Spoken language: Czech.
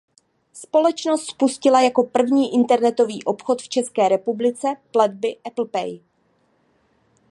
Společnost spustila jako první internetový obchod v České republice platby Apple Pay.